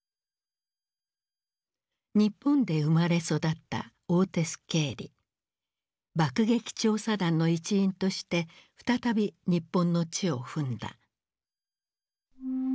日本で生まれ育った爆撃調査団の一員として再び日本の地を踏んだ。